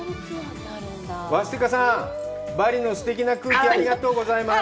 ワスティカさん、バリのすてきな空気、ありがとうございます。